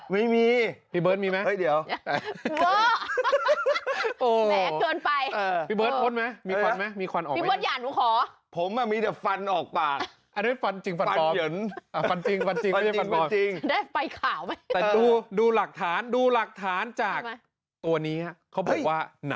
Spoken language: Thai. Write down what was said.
ไม่มีพี่เบิร์ตมีไหมเดี๋ยว